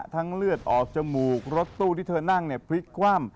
เลือดออกจมูกรถตู้ที่เธอนั่งเนี่ยพลิกคว่ำ